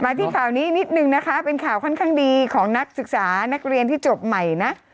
ที่ข่าวนี้นิดนึงนะคะเป็นข่าวค่อนข้างดีของนักศึกษานักเรียนที่จบใหม่นะ